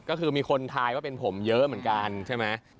ก็คือมีคนทายว่าเป็นผมเยอะเหมือนกันใช่ไหม